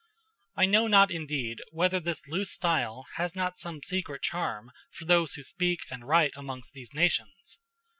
I know not indeed whether this loose style has not some secret charm for those who speak and write amongst these nations.